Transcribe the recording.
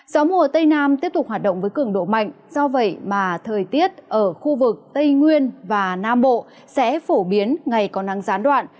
gió mùa tây nam tiếp tục hoạt động với cường độ mạnh do vậy mà thời tiết ở khu vực tây nguyên và nam bộ sẽ phổ biến ngày có nắng gián đoạn